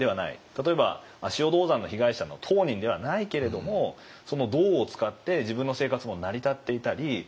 例えば足尾銅山の被害者の当人ではないけれども銅を使って自分の生活も成り立っていたりこの社会で一緒に生きている。